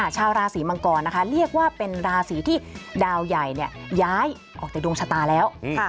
ชาวราศีมังกรนะคะเรียกว่าเป็นราศีที่ดาวใหญ่ย้ายออกจากดวงชะตาแล้ว